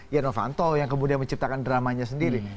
ya novanto yang kemudian menciptakan dramanya sendiri